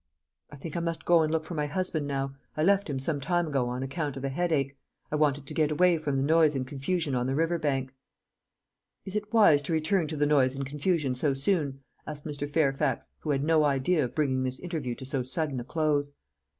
"I think I must go and look for my husband now. I left him some time ago on account of a headache. I wanted to get away from the noise and confusion on the river bank." "Is it wise to return to the noise and confusion so soon?" asked Mr. Fairfax, who had no idea of bringing this interview to so sudden a close.